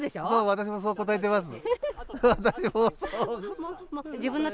私もそう答えてます。